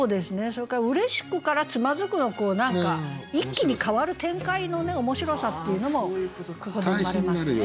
それから「嬉しく」から「躓く」のこう何か一気に変わる展開の面白さっていうのもここで生まれますね。